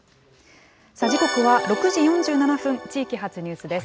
時刻は６時４７分、地域発ニュースです。